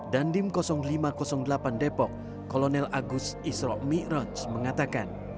dan dim lima ratus delapan depok kolonel agus isrok mikroj mengatakan